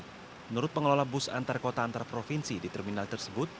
menurut pengelola bus antar kota antar provinsi di terminal tersebut